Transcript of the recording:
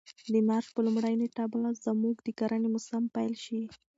د مارچ په لومړۍ نېټه به زموږ د کرنې موسم پیل شي.